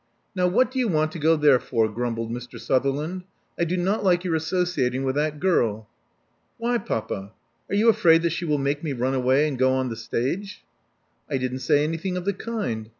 Now what do you want to go there for?" grumbled Mr. Sutherland. I do not like your associating with that girl." Why, papa? Are you afraid that she will make me run away and go on the stage?" I didn't say anything of the kind.